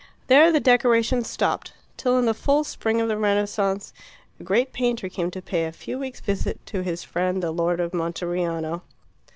There the decoration stopped, till in the full spring of the Renaissance a great painter came to pay a few weeks' visit to his friend the Lord of Monteriano.